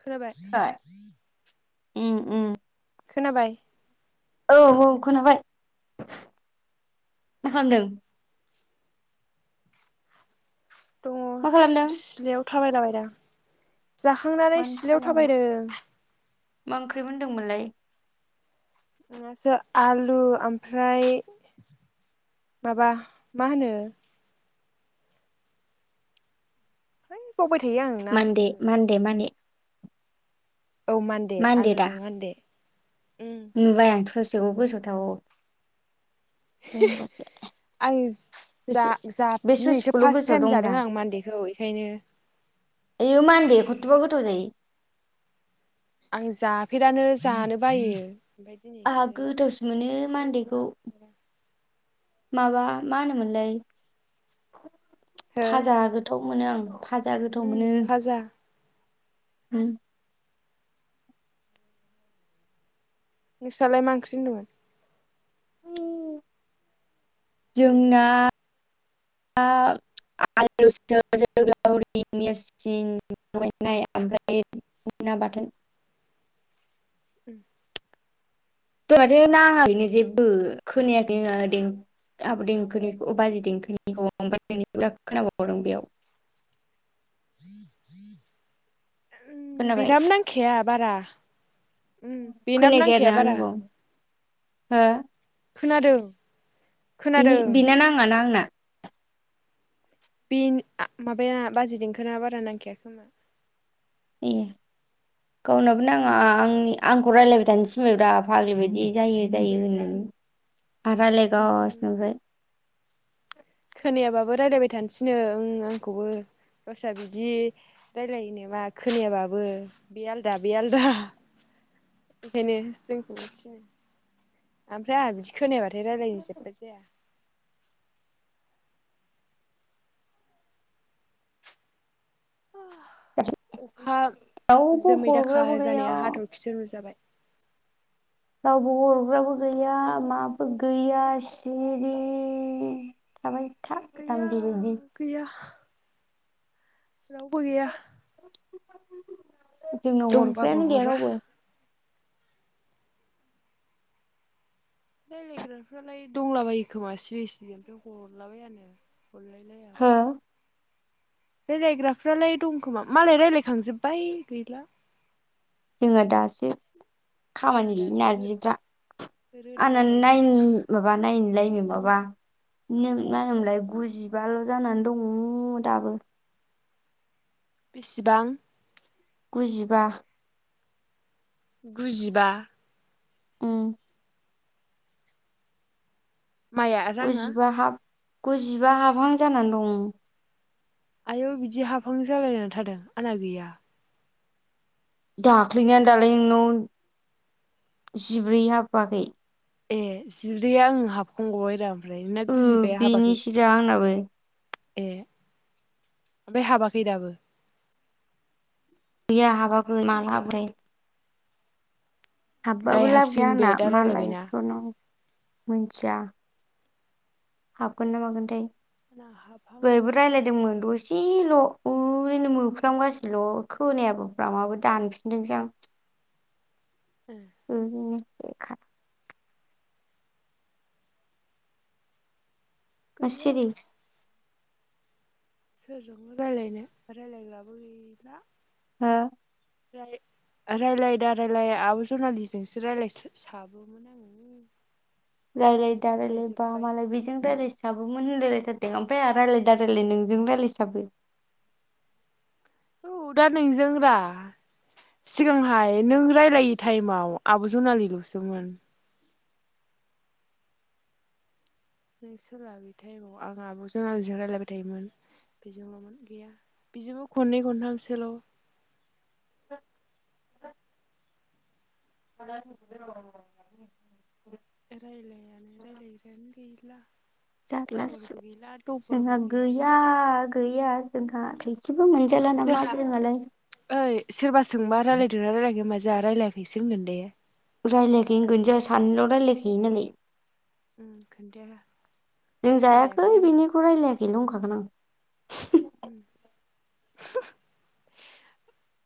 खोनाबाय? उ। खोनाबाय। औ औ खोनाबाय मा खालामदों। दङ मा खालामदों? सिलायाव थाबायलाबायदां, जाखांनानै मानो थाखाय सिथ्लायाव नांगौ थाबायदों। मा ओंख्रि मोनदोंमोनलाय? मासो आलु ओमफ्राय माबा मा होनो बावबाय थायो आं मन्दे नामखौनो मन्दे माने औ मानदे मान्दे दा आलुजों मानदे। नुबाय आं थसेखौ गोसावथाबावो। देनजारसो। आं जा गोसो जा बे दिनैसो ससेखौल' फार्स्ट गोसोआव टाइम जादों आं मानदेखौ बेखायनो एयो मानदे खथबा गोथाव जायो आं जाफेरानो जानो बायो। आहा दिनैसो गोथावसो मोनो मान्देखौ। माबा मा होनोमोनलाय हो फाजा गोथाव मोनो आं। फाजा गोथाव उम मोनो। फाजा [unintelligible] नोंस्रालाय मा ओंख्रि होनदोंमोन? जोंना ना आं आलुसो जोग्लावरि नेरसिं लगायनाय ओमफ्राय ना बाथोन। [unintelligible] दहाय माथो नाङाखैनो जेबो खोनायाखै दें आब देंखोनिखौ बाजै देंखोनि न आव खोनाबावदों बेयाव [unintelligible] खोनाबाय बिनाबो नांखाया बारा। उम बेनाबो खोनायाखै आरो नांखाया ना बारा। आंनिखौ हो खोनादों बिनि खोनादों बेना नाङाना आंना। बिं आ माबाया बाजै देंखोना बारा नांखाया खोमा। ए गावनाबो नाङा आंनि आंखौ रायलायबाय थानो थिनबायब्रा फाग्लि बायदि जायो जायो होननानै। आरा लायगासिनो ओमफाय। खोनायाबाबो रायलायबाय थानोसैनो ओं आंखौबो गावस्रा बिदि रायलायो नामा खोनायाबाबो बे आलदा बे आलदा। [unintelligible] ओंखायनो जोंखौ थिनो आमफ्राय आंहा बिदि खोनायाबा आरो रायलायनो जेबो जाया। अखा रावबो जोमै दाखा हरग्राबो गैया जानाया हाथरखिसो नुजाबाय। रावबो हरग्राबो गैया माबो गैया। सिरि थाबाय था गैया जाम्बि बायदि गैया रावबो गैया जोंनाव दंबाबो हरग्रायानो गैया हरा रावबो। रायलायग्राफ्रालाय दंलाबायो खोमा सिरि सिरि ओमफ्राय हरलाबायानो। हरलाय हो लायाबा रायलायग्राफ्रालाय दंखोमा मालाय रायलायखांजोब्बाय गैला। जोङो दासो जोंहा खामानि गैयि दासो नारजिफ्रा। आना रोनावलाबायो नायन नामा माबा नायनोलायनो। माबा नों माहोनोमोनलाय गुजिबाल' जानानै दङ दाबो। बिसिबां गुजिबा गुजिबा उम माइआ राङा गुजिबा हाब गुजिबा हाबहां जानानै दं। आयौ बिदि हाफआं जालायनानै थादो आंना गैया। दाख्लैनानो दालाय नोंनाव जिब्रै हाबाखै। ए जिब्रैया उम हाबखांगबाय रा। फ्राय नोंना ओ गुजिबाया हाबाखै बेनिसोजा आंनाबो ए। ओमफाय हाबाखै दाबो। गैया हाबाखै माला हाबोथाय। दायो हाबबाबो लाब गैया हाबसिगोन बे आंना दा रायलायबायना मालायथ' नों मिथिया हाबगोन ना मागोनथाय आंना हाबहांआनो बरैबो रायज्लायदोंमोन जायाखै दसेल' ओरैनो मोफ्रामगाल' खोनायाबोफ्रामाबो दानफिनदोंसै आं गैया [unintelligible] मा गैया सिरि सोरजोंबो रायज्लायनो रायज्लायग्रबो गैला ह रायलायदा रायलाया आब' जनालिजोंसो राय्लाय साबोमोन आङो रायज्लाय दा मालाय रायलाय बा जोब्बाय मालाय बेजों राय्लायसाब मोन होनलायलायथार दे ओमफफ्राय रायज्लायदा रायलाय नोंजों रायजलायसाबो औ दा नोंजों रा सिगांहाय नों रायलायै टाइमाव आब' जनालिल'सोमोन। नों सोलाबथाय आब आं आब'जों आलजों रायजलायबाय थायोमोन। बेजोंल'मोन गैया बेजोंबो खननै खनथामसोल' औ। [inaudible] रायलायानो रायलाय्रानो गैला। जाग्लास खबरबो गैला दबरबो जोंहा गैला गैया गैया जोंहा थाइसेबो मोनजाला नामा जोंहा जोंहालाय ओइ सोरबा सोंबा रायजलायदोंना रायजलायगोन माने जा रायलायखैसै होन न दाया रायज्लायहै होनगोन जों सानैल' रायज्लायखो नालाय उम खोन्थाया जों जायाखै रायलायाखै होनगोन बिनिखौ रायलायाखैल हागोन। अ।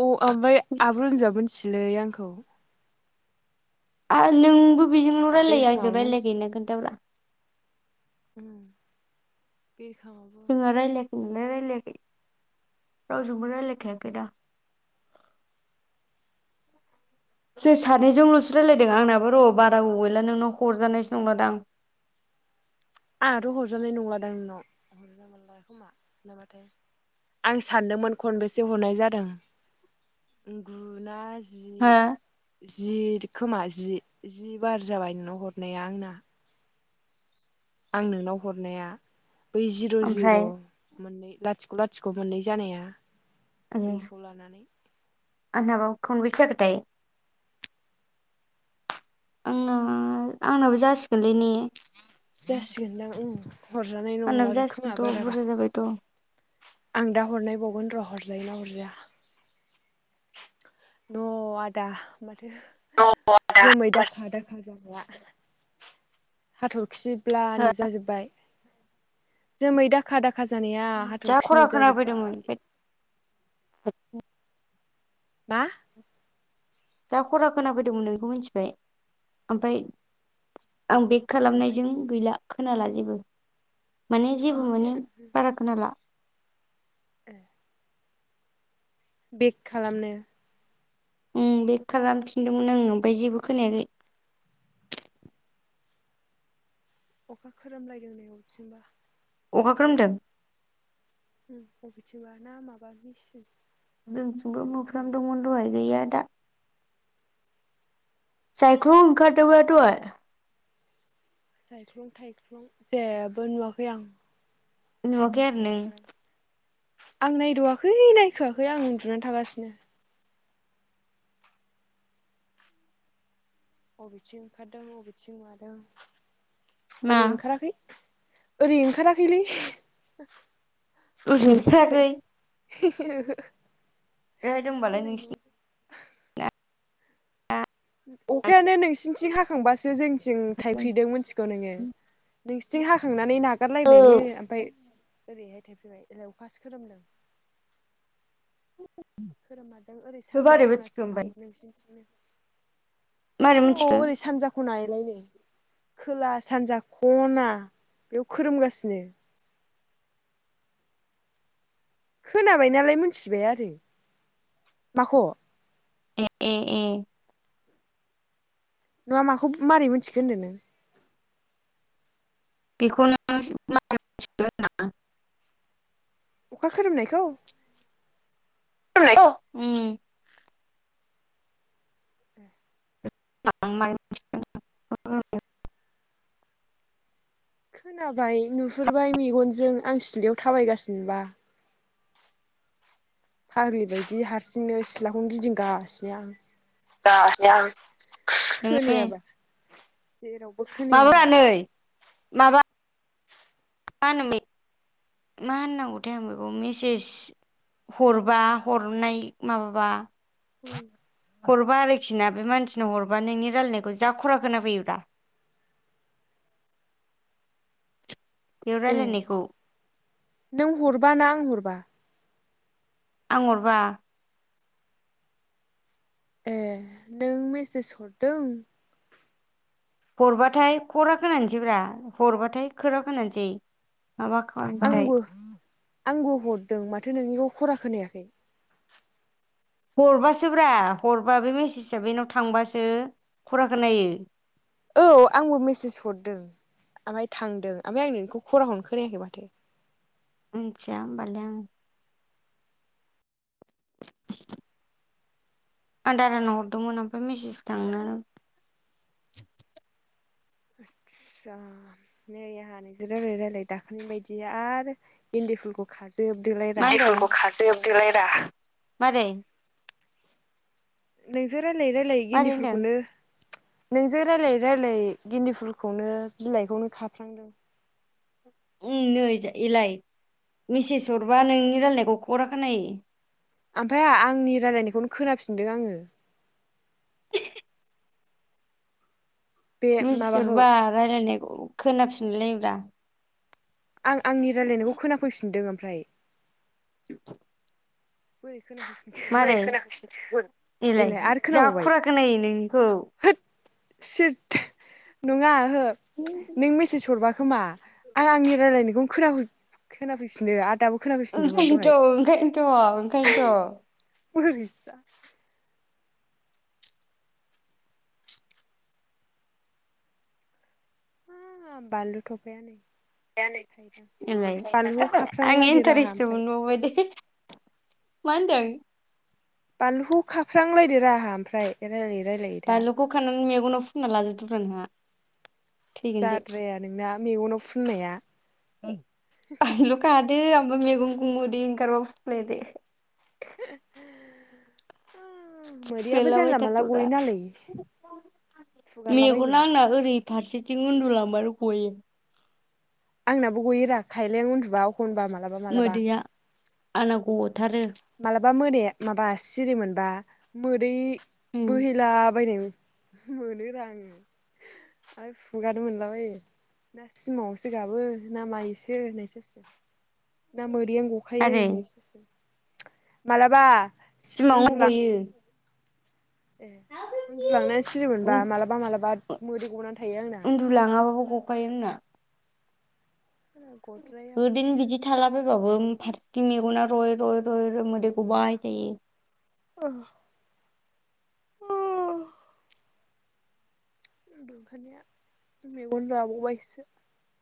ओमफ्राय आब' होनजाब मिसलै आंखौ आरो नोंबो बेजोंल' रायलायो आंजों बिरखाङाबो रायज्लायग ना खोन्था्रा उ बे खामाब मनानै लेख रावज मना लेखाया गदा जों सानैजोंल'सो रायजलायदों आंनाबो र' बारा अ गैला नोंनाव हरजानायसो नंलदां आ [inaudible] आंहाथ' हरजाबनाय नंलादा नोंनाव मोनला खोमा नाबाथाय आं सानदोंमोन खनबेसे हरनाय जादों गुना जि हो जि खोमा जि जि बार जाबाय नोंनाव हरनाया आंना आं नोंनाव हरनाया बै जिर' जिर' ओमफ्राय मोननै लाथिख' गुलाथिखौ मोननै जानाया बेखौ लानानै आनाबा खन बिसागथाय आंना आंनाबो जासिगोनलै ने जासिगोनदां। हरजानाय नंला आंनाबो रोखोम जासिगोनथ' बाराबा बुरजा जाबायथ'। आं दा हरनायबाव न रहरलायना हरजाया न' आदा माथो जोमै दाखा दाखा ज हाथरखिब्ला हो नुजाजोब्बाय जोमै दाखा दाखा जानाया जा हाथरखिनिु खरा खोनाफैदोंमोन जाजोब्बाय ओमफ्राय बा जा खरा खोनााबैदोंमोनों बेखौ मिथिबाय ओमफ्राय आं बेग ओमफ्राय खालामनायजों गैला खोनाला जेबो माने जेबो मोनो बारा खोनाला [inaudible] बेक खालामनो उम बेख खालामफिनदोंमोन आङो ओमफाय जेबो खोनायाखै अखा खोरोमलायदों नै अबथिंबा अखा खोरोमदों उम अबेथिंबा ना माबाखैसो जोंथिंबो मोफ्लाम दोंमोन दहाय गैया दा [unintelligible] ओंखारदोंबा दहाय सायख्लं थायख्लं जेबो नुवाखै आं नुवाखै आरोलै उन्दुनानै थादों आं नायदावाखै नायखोआखै आं उन्दुनानै थागासिनो अबेथिं ओंखारदों अबेथिं मादों मा ओरै ओंखाराखै ओरै ओंखाराखैलै। ओरै नुवाखै [unintelligible] [unintelligible] एद होनबालाय ओरै नोंसि नुवाखै अखायानो नोंसिनिथिं हाखांबासो जोंनिथिं थाइफ्रिदों मिथिगौ नोङो। नोंसिनिथिं हाखांनानै औ नागारलायबायनो ओमफाय ओरैहाय थाइफ्रिबाय एलाय अखासो खोरोमदों। खोरोममारदों ओरै बे सानजा मारै मिथिखो खनाथिं ओमफ्राय नोंसिनिथिंनो। मारै नोंगौ मिथिखो ओरै सानजा खना एलाय नै। खोला सानजा खना बेयाव खोरोमगासिनो। खोनाबाय नालाय मिथिबाय आरो माखौ? ए ए ए नङा माखौ मारै मोनथिखो होनदो नों? बेखौ नों मारै मिथिखो‌ होनदां? अखा खोरोमनायखौ? उम ए [unintelligible] खोनाबाय नुहुरबाय मेगनजों आं सिलायाव थाबायगासिनोबा। फाग्लिबायायदि हारसिंनो सिथ्लाखौनो गिदिंगासिनो आं। खोनायाबा [unintelligible] जेरावबो खोनायाबा माबाब्रा नै माबा मा होनोमोन मा होननांगौथाय आं बेखौ मेसेज हरबा हरनाय माबाबा उम हरबा आरो फिना बे मानसिनो हरबा नोंनि रायलायनायखौ जा खरा खोना फैयो ब्रा। [inaudible] ए नों हरबा ना आं हरबा? आं हरबा। ए नों मेसेज हरदों? हरबाथाय खरा खोनानसै ब्रा हरबाथाय खरा खोनानसै। माबा खांबाथाय आंबो आंबो हरदों माथो नोंनिखौ खरा खोनायाखै? हरबासोब्रा हरबा बे मेसेजआ बेनाव थांबासो खरा खोनायो। औ आंबो मेसेज हरदों। ओमफाय थांदों ओमफाय आं नोंनिखौ खरा खौनो खोनायाखै माथो? मिथिया होमबालाय आं। आं दादानाव हरदोंमोन ओमफाय मेसेज थांनो नै आंहा नोंदो रायलाय रायलाय दाख्लैनि बायदि आरो इन्दि फुलखौ खा मा होनदों मारै? नोंजों रायज्लायै रायज्लायै गेन्दि मारै होनदों फुलखौनो नोंजों रायज्लायै रायज्लायै गेन्दि फुलखौनो बिलाइखौनो खाफ्लांदों। उम नै एलाय मेसेज हरबा नोंनि रायलायनायखौ खरा खोनायो। ओमफ्राय आहा आंनि रायलायनायखौनो खोनाफिनदों आङो बे मेसेज माबाखौ हरबा रायलायनायखौ खोनाफिनलाय लायो ब्रा। आं आंनि रायज्लायनायखौ खोनाफैफिनदों ओमफ्राय। बोरै [inaudible] खोनाफैफिनखो मारै इलाय एलाय आरो जा खोनाबावबाय खरा खोनायो नोंनिखौ। [unintelligible] नङा हो नों मेसेज हरबा खोमा आं आंनि रायलायनोखौ [unintelligible] ओंखायनोथ'ओंखायनोथ'ओंखायनोथ' [unintelligible] बानलु थफाया थाइबा बानलुखौ खाफ्रांलायदोरा आंहा ओमफ्राय [unintelligible] मा होनदों? बानलुखौ खाफ्रां लायदोंरा आहा ओमफाय [unintelligible] बानलुखौ खानानै मेगनाव फुनना लाजोबदोब्रा नोंहा जाद्राया नोंना मेगनाव फुननाया [unintelligible] [unintelligible] मेगनखौ मोदै ओंखारब्लाबो फुफ्ले दे [unintelligible] मोदैयाबो जानला मोनला फुफ्लेलाबायथारथ'ब्रा गयो नालै फुगारलाबायनो मेगना आंना ओरै फारसेथिं उन्दुलांनो गयो आंनाबो गयोरा खायलें उनदुबा अखनबा मालाबा मालाबा मोदैया आंना गथारो मालाबा मोनाया माबा सिरि मोनबा मोदै उम बोहैला बायना मोनो रा आङो आर फुगारनो मोनला बायो ना सिमाङावसो गाबो ना मायोसो होननायसो जास ना मोदैयानो आरो गखायो मालाबा उन्दुला [unintelligible] ए उन्दुलांनाय सिरि मोनबा गयो मालाबा मालाबा मोदै गनानै थ उन्दुलाङाबाबो गखायो होनना आंना [unintelligible] गद्राया गनाया हारसिं मेगना रय रय मोदै गबाय थायो औ [unintelligible]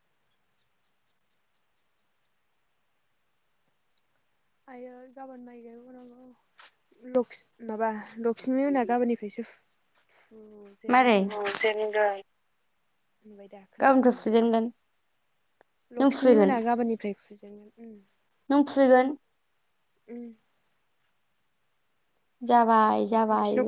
[unintelligible] फुजेनगोन [unintelligible] [unintelligible] गाबोनथ' फुजेनगोन नों लकसमि फुफैगोन मोना गाबोननिफ्राय [unintelligible] नों फुहैगोन? ओम जाबाय जाबाय बिसिनाव